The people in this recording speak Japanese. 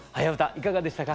いかがでしたか？